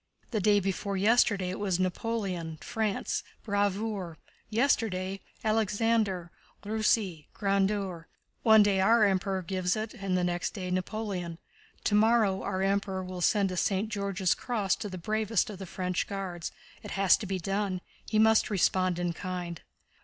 "The day before yesterday it was 'Napoléon, France, bravoure'; yesterday, 'Alexandre, Russie, grandeur.' One day our Emperor gives it and next day Napoleon. Tomorrow our Emperor will send a St. George's Cross to the bravest of the French Guards. It has to be done. He must respond in kind."